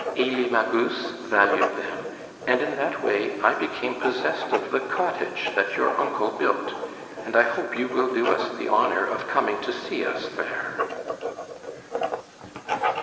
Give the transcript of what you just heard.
Elie Magus valued them, and in that way I became possessed of the cottage that your uncle built, and I hope you will do us the honor of coming to see us there."